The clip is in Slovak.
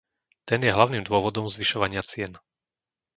Ten je hlavným dôvodom zvyšovania cien.